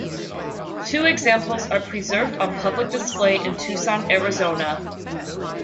Two examples are preserved on public display in Tucson, Arizona.